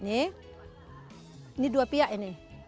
ini dua piak ini